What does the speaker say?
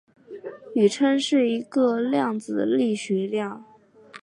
宇称是一个量子力学量。